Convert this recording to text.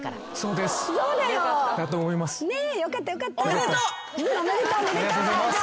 ありがとうございます。